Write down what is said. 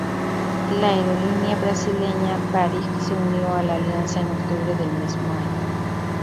La aerolínea brasileña Varig se unió a la alianza en octubre del mismo año.